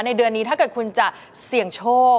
เดือนนี้ถ้าเกิดคุณจะเสี่ยงโชค